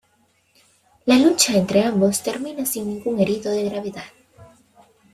La lucha entre ambos termina sin ningún herido de gravedad.